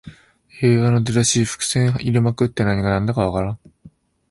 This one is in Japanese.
映画の出だし、伏線入れまくって何がなんだかわからない